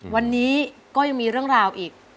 วันนี้ก็ยังมีเรื่องราวอีก